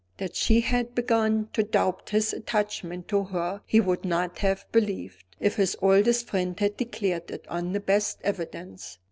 That she had begun to doubt his attachment to her he would not have believed, if his oldest friend had declared it on the best evidence.